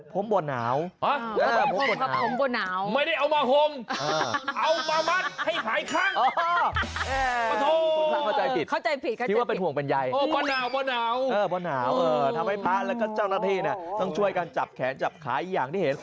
ทำให้พระและเจ้าหน้าที่ต้องช่วยการจับแขนจับขาอีกอย่างที่เห็น